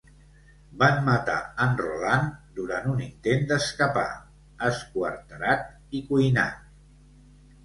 Van matar en Roland durant un intent d"escapar, esquarterat i cuinat.